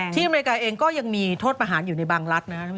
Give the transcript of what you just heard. อเมริกาเองก็ยังมีโทษประหารอยู่ในบางรัฐนะครับ